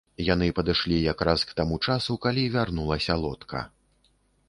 Яны падышлі якраз к таму часу, калі вярнулася лодка.